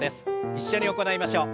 一緒に行いましょう。